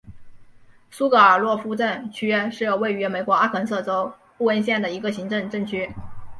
苏格尔洛夫镇区是位于美国阿肯色州布恩县的一个行政镇区。